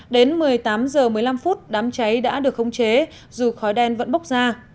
đến một mươi tám h một mươi năm phút đám cháy đã được khống chế dù khói đen vẫn bốc ra